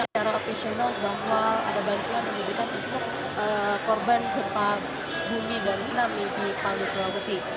secara operasional bahwa ada bantuan yang diberikan untuk korban gempa bumi dan tsunami di palu sulawesi